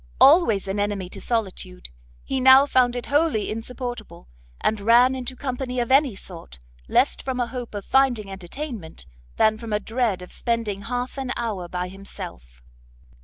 Always an enemy to solitude, he now found it wholly insupportable, and ran into company of any sort, less from a hope of finding entertainment, than from a dread of spending half an hour by himself.